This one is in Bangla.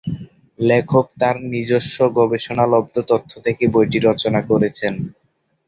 লেখক তার নিজস্ব গবেষণালব্ধ তথ্য থেকে বইটি রচনা করেছেন।